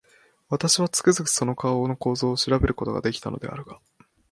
私は、つくづくその顔の構造を調べる事が出来たのであるが、